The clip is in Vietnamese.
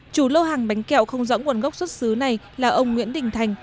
chủ lô hàng bánh kẹo không rõ nguồn gốc xuất xứ này là ông nguyễn đình thành